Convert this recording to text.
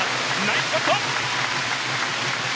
ナイスショット！